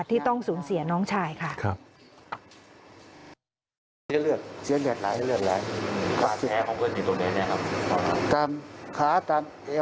ที่ต้องสูญเสียน้องชายค่ะ